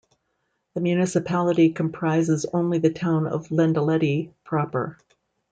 The municipality comprises only the town of Lendelede proper.